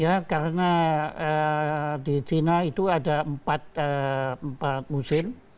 ya karena di china itu ada empat musim